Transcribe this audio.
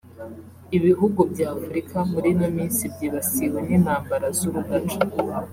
Ibihugu by’Afurika muri ino minsi byibasiwe n’intambara z’urudaca